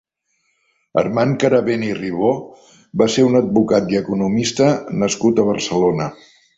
Armand Carabén i Ribó va ser un advocat i economista nascut a Barcelona.